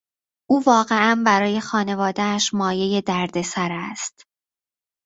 او واقعا برای خانوادهاش مایهی دردسر است.